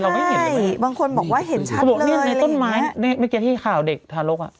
ใช่บางคนบอกว่าเห็นชัดเลยบอกนะนี่ต้นไม้เมื่อกี้ที่ข่าวเด็ก